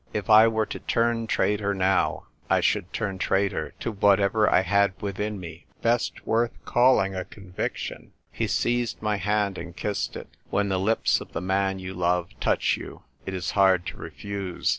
If I were to turn traitor now, I should turn traitor to whatever I had within me best worth calling a con viction. He seized my hand and kissed it. When the lips of the man you love touch you, it is hard to refuse.